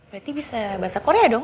berarti bisa bahasa korea dong